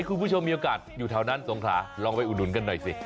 คุณผู้ชมมีโอกาสอยู่แถวนั้นสงขาลองไปอุดหนุนกันหน่อยสิ